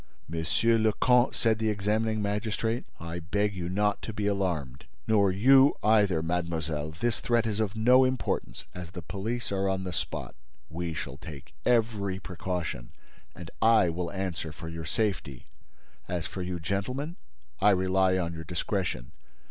"Monsieur le Comte," said the examining magistrate, "I beg you not to be alarmed. Nor you either, mademoiselle. This threat is of no importance, as the police are on the spot. We shall take every precaution and I will answer for your safety. As for you, gentlemen. I rely on your discretion.